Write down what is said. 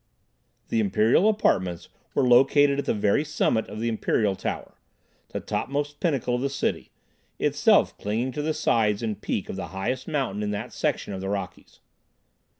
The imperial apartments were located at the very summit of the Imperial Tower, the topmost pinnacle of the city, itself clinging to the sides and peak of the highest mountain in that section of the Rockies.